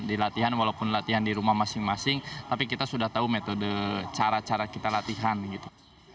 di latihan walaupun latihan di rumah masing masing tapi kita sudah tahu metode cara cara kita latihan gitu